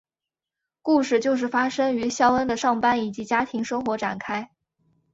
故事就是发生于肖恩的上班以及家庭生活展开。